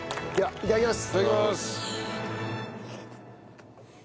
いただきます。